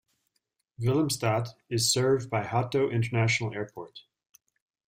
Willemstad is served by Hato International Airport.